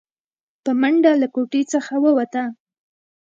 په منډه له کوټې څخه ووته.